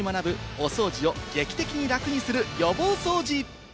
お掃除を劇的に楽にする予防掃除。